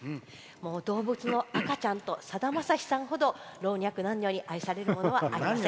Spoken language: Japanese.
動物の赤ちゃんとさだまさしさんほど老若男女に愛されるものはありません。